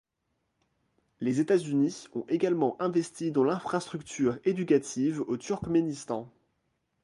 Les États-Unis ont également investi dans l'infrastructure éducative au Turkménistan.